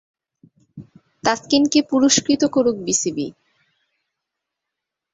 ‘তাসকিনকে পুরস্কৃত করুক বিসিবি’